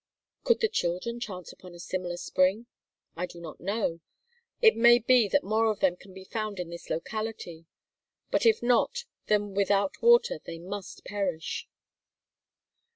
"Could the children chance upon a similar spring?" "I do not know. It may be that more of them can be found in this locality. But if not, then without water they must perish."